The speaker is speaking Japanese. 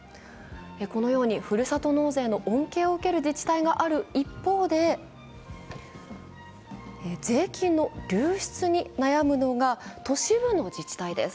このようにふるさと納税の恩恵を受ける自治体がある一方で、税金の流出に悩むのが都市部の自治体です。